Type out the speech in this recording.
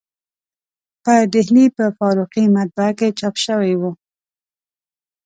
په ډهلي په فاروقي مطبعه کې چاپ شوی و.